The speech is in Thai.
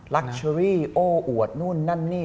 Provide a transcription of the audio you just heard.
เชอรี่โอ้อวดนู่นนั่นนี่